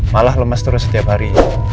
malah lemes terus setiap hari